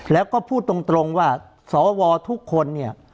แล้วก็พูดตรงว่าสวทุกคนเนี่ย